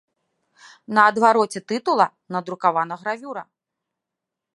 На адвароце тытула надрукавана гравюра.